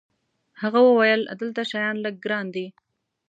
هغه وویل: دلته شیان لږ ګران دي.